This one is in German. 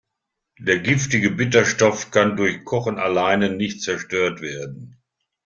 Der giftige Bitterstoff kann durch Kochen alleine nicht zerstört werden.